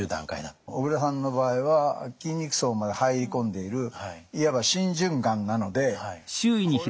小倉さんの場合は筋肉層まで入り込んでいるいわば浸潤がんなのでこれはそのままほっとけないと。